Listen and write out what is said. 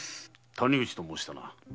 谷口と申したな。